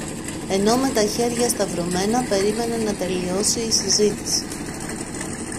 ενώ με τα χέρια σταυρωμένα περίμενε να τελειώσει η συζήτηση